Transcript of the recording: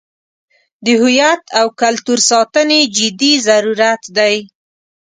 د هویت او کلتور ساتنې جدي ضرورت دی.